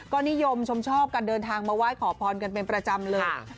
ก็นิยมชมชอบการเดินทางมาไหว้ขอพรกันเป็นประจำเลย